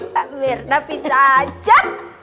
berna pisah aja